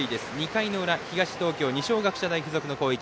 ２回の裏、東東京二松学舎大付属の攻撃。